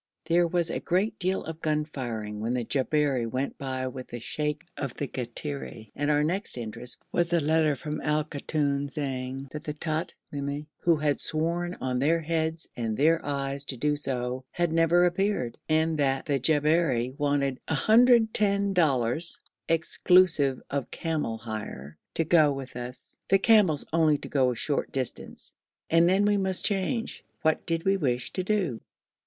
There was a great deal of gun firing when the Jabberi went by with the sheikh of the Kattiri, and our next interest was a letter from Al Koton, saying 'that the Tamimi, who had sworn on their heads and their eyes to do so, had never appeared, and that the Jabberi wanted 110 dollars, exclusive of camel hire, to go with us, the camels only to go a short distance, and then we must change. What did we wish to do?'